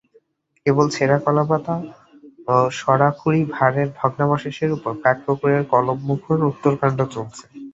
কেবল ছেঁড়া কলাপাতা ও সরা-খুরি-ভাঁড়ের ভগ্নাবশেষের উপর কাক-কুকুরের কলরবমুখর উত্তরকাণ্ড চলছে।